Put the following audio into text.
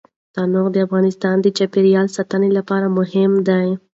تنوع د افغانستان د چاپیریال ساتنې لپاره مهم دي.